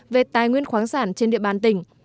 về tài nguyên khoáng sản trên địa bàn tỉnh